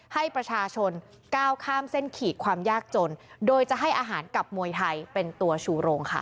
ให้ประชาชนก้าวข้ามเส้นขีดความยากจนโดยจะให้อาหารกับมวยไทยเป็นตัวชูโรงค่ะ